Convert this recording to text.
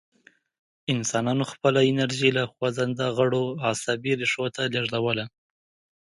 انسانانو خپله انرژي له خوځنده غړو عصبي ریښو ته لېږدوله.